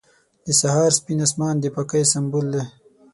• د سهار سپین آسمان د پاکۍ سمبول دی.